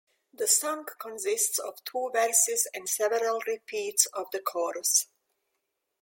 The song consists of two verses and several repeats of the chorus.